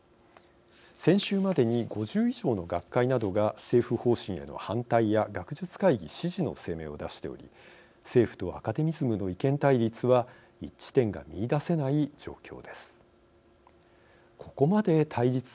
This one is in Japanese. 先週までに５０以上の学会などが政府方針への反対や学術会議支持の声明を出しており政府とアカデミズムの意見対立は一致点が見いだせない状況です。